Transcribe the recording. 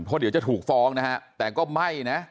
เพราะเดี๋ยวจะถูกฟ้องนะฮะแต่ก็ไม่นะ